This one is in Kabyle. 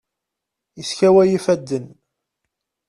Yeskaway ifaden.